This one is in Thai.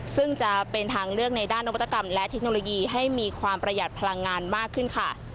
ซึ่งจะเป็นทางเลือกในด้านนวัตกรรมและเทคโนโลยีให้มีความประหยัดพลังงานมากขึ้นค่ะ